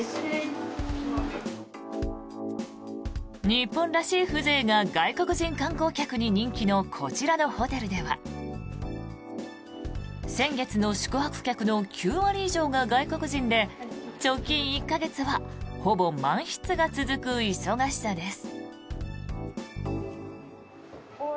日本らしい風情が外国人観光客に人気のこちらのホテルでは先月の宿泊客の９割以上が外国人で直近１か月はほぼ満室が続く忙しさです。